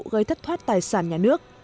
gây thất thoát tài sản nhà nước